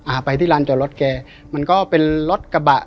ไปที่ร้านจอดรถแกมันก็เป็นรถกระบะ